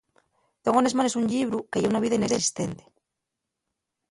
Tengo nes manes un llibru que ye una vida inesistente.